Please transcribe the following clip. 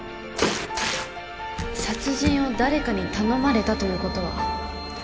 殺人を誰かに頼まれたということは？